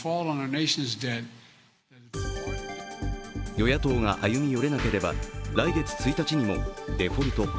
与野党が歩み寄れなければ来月１日にもデフォルト＝